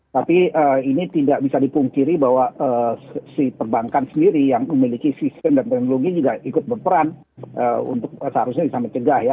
tapi ini tidak bisa dipungkiri bahwa si perbankan sendiri yang memiliki sistem dan teknologi juga ikut berperan untuk seharusnya bisa mencegah ya